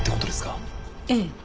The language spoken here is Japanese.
ええ。